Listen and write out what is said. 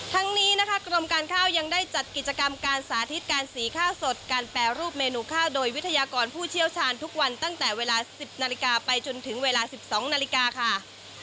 ทั้งนี้นะคะกรมการข้าวยังได้จัดกิจกรรมการสาธิตการสีข้าวสดการแปรรูปเมนูข้าวโดยวิทยากรผู้เชี่ยวชาญทุกวันตั้งแต่เวลา๑๐นาฬิกาไปจนถึงเวลา๑๒นาฬิกาค่ะ